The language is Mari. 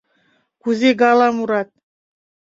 Кузе гала мурат?